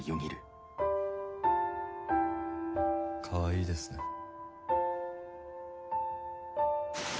かわいいですね。